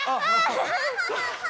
アハハハ！